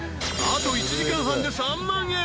［あと１時間半で３万円。